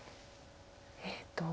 えっと